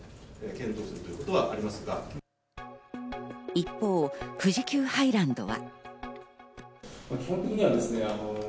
一方、富士急ハイランドは。